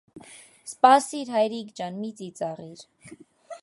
- Սպասիր, հայրիկ ջան, մի ծիծաղիր.